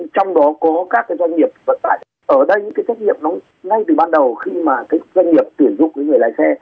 trong đó có các doanh nghiệp vận tải ở đây những trách nhiệm nó ngay từ ban đầu khi mà doanh nghiệp tuyển dụng người lái xe